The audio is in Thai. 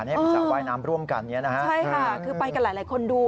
ให้สระว่ายน้ำร่วมกันเนี่ยนะฮะใช่ค่ะคือไปกันหลายหลายคนดู